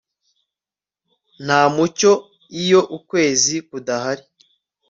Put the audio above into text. nta mucyo iyo ukwezi kudahari